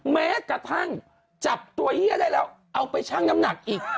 แม้กระทั่งจับตัวเฮียได้แล้วเอาไปชั่งน้ำหนักอีก